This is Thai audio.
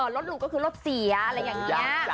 รถลุก็คือรถเสีย